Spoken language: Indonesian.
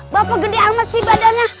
bapak gede banget sih badannya